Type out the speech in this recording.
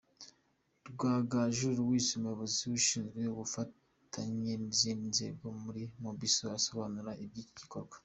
Rwagaju Louis, umuyobozi ushinzwe ubufatanye n'izindi nzego muri Mobisol asobanura iby'iki gikorwa.